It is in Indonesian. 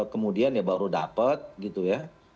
kemudian ya baru dapat gitu ya